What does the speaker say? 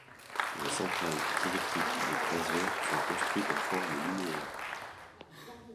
Les centrales électriques des croiseurs sont construites en forme linéaire.